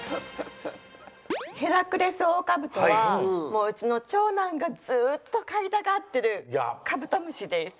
ヘラクレスオオカブトはうちのちょうなんがずっとかいたがってるカブトムシです。